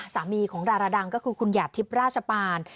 สามีของดาราดังก็คือคุณหยาดทิพย์ราชปาน